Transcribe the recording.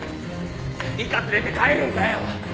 リカ連れて帰るんだよ。